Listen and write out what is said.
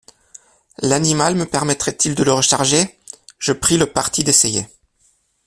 L'animal me permettrait-il de le recharger ? Je pris le parti d'essayer.